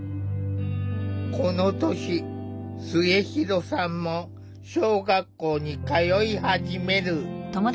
この年末弘さんも小学校に通い始める。